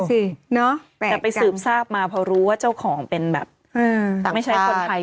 แต่ไปสืบทราบมาพอรู้ว่าเจ้าของเป็นแบบไม่ใช่คนไทย